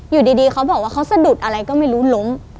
อยู่ดีเขาบอกว่าเขาสะดุดอะไรก็ไม่รู้ล้ม